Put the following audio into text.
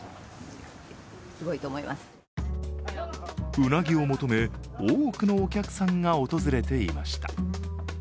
うなぎを求め多くのお客さんが訪れていました。